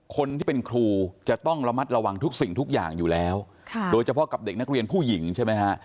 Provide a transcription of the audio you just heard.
คนที่เป็นครูจะต้องระมัดระวังทุกสิ่งทุกอย่างอยู่แล้วโดยเฉพาะกับเด็กนักเรียนผู้หญิงใช่ไหมฮะ